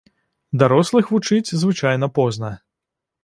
Дарослых вучыць звычайна позна.